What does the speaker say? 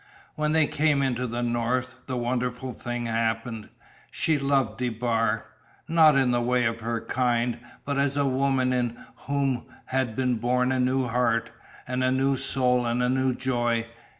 When they came into the North the wonderful thing happened. She loved DeBar not in the way of her kind, but as a woman in whom had been born a new heart and a new soul and a new joy.